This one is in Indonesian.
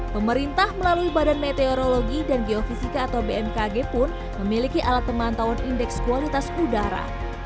pemerintah melalui badan meteorologi dan geofisika atau bmkg pun memiliki alat pemantauan indeks kualitas udara